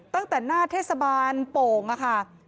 ตั้งแต่หน้าเทศบาลโป่งค่ะ